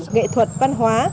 nghệ thuật văn hóa